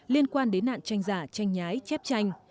liên quan đến nạn tranh giả tranh nhái chép tranh